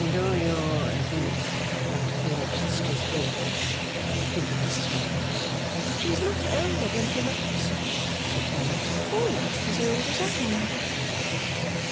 'Do you think, at your sister's age ' hinted Mrs Merdle. 'She is much older than she looks,' said Fanny; 'almost as old as I am.